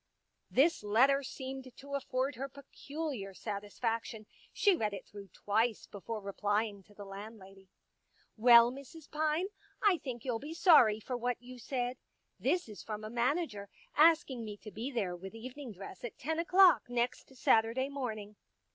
This letter seemed to afford her peculiar satis faction ; she read it through twice before replying to the landlady. " Well, Mrs. Pine, I think you'll be sorry for what you said. This is from a manager, asking me to be there with evening dress at ten o'clock next Saturday morning."